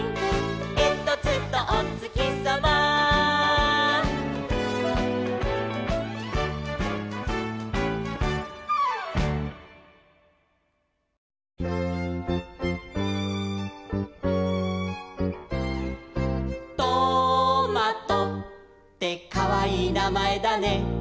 「えんとつとおつきさま」「トマトってかわいいなまえだね」